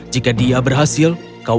jika dia berhasil kau akan mencari ayam